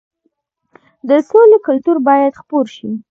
د سولې کلتور باید خپور شي.